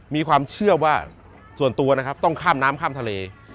มีความเชื่อว่าส่วนตัวนะครับต้องข้ามน้ำข้ามทะเล